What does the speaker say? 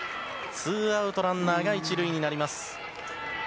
ツーアウトランナーが１塁になります。